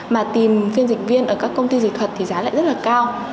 mà tìm phiên dịch viên ở các công ty dịch thuật thì giá lại rất là cao